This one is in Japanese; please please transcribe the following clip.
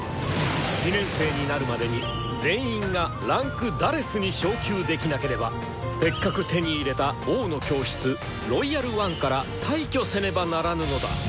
２年生になるまでに全員が位階「４」に昇級できなければせっかく手に入れた「王の教室」「ロイヤル・ワン」から退去せねばならぬのだ！